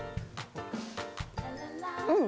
うん！